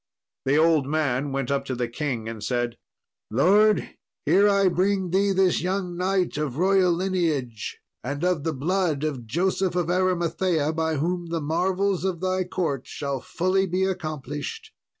The old man went up to the king, and said, "Lord, here I bring thee this young knight of royal lineage, and of the blood of Joseph of Arimathea, by whom the marvels of thy court shall fully be accomplished."